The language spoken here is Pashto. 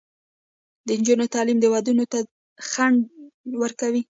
د نجونو تعلیم ودونو ته ځنډ ورکوي.